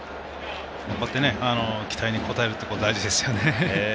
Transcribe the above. こうやって、期待に応えることは大事ですよね。